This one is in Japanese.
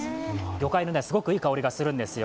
魚介のすごくいい香りがするんですよ。